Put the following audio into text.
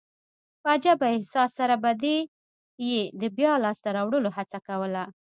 په عجبه احساس سره به دي يي د بیا لاسته راوړلو هڅه کول.